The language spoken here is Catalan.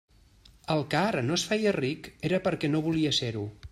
El que ara no es feia ric era perquè no volia ser-ho.